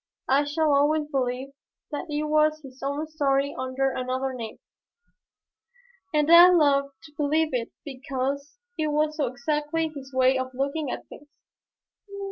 I shall always believe that it was his own story under another name, and I love to believe it because it was so exactly his way of looking at things.